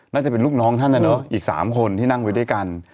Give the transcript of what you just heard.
น่าจะเป็นลูกน้องท่านนะเนอะอีก๓คนที่นั่งไปด้วยกัน